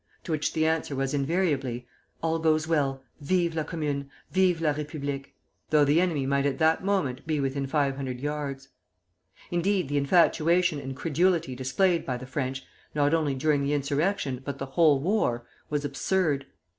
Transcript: To which the answer was invariably, 'All goes well! Vive la Commune! Vive la République!' though the enemy might at that moment be within five hundred yards. Indeed, the infatuation and credulity displayed by the French, not only during the insurrection, but the whole war, was absurd.